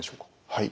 はい。